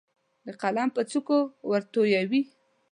د قلم پر څوکو ورتویوي